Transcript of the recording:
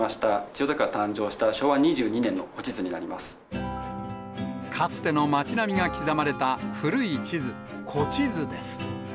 千代田区が誕生した昭和かつての町並みが刻まれた古い地図、古地図です。